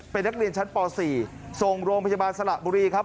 เป็นนักเรียนชั้นป๔ส่งโรงพยาบาลสละบุรีครับ